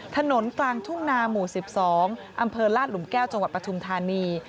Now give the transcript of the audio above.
ถนนกลางทุ่งนาหมู่๑๒อำเภอลาดหลุมแก้วจังหวัดปทุมธานี